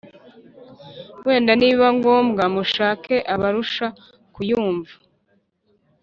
wenda nibiba ngombwa mushake ubarusha kuyumva